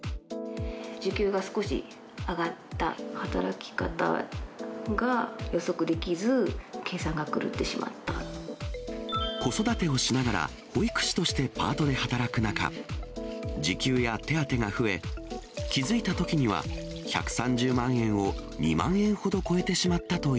時給が少し上がった、働き方が予測できず、子育てをしながら、保育士としてパートで働く中、時給や手当が増え、気付いたときには１３０万円を２万円ほど超えてしまったとい